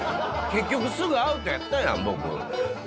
結局すぐアウトやったんやん、僕。